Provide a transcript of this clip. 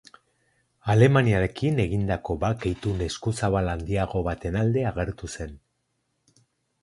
Alemaniarekin egindako bake itun eskuzabal handiago baten alde agertu zen.